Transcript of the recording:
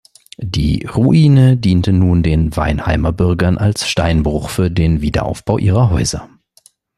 Die Ruine diente nun den Weinheimer Bürgern als Steinbruch für den Wiederaufbau ihrer Häuser.